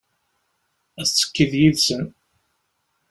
Ad tekkiḍ yid-sen.